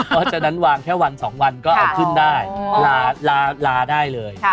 เพราะฉะนั้นวางแค่วัน๒วันก็เอาขึ้นได้ลาได้เลย